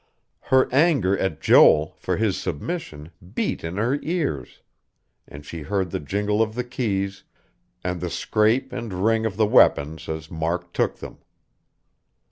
Her anger at Joel for his submission beat in her ears; and she heard the jingle of the keys, and the scrape and ring of the weapons as Mark took them.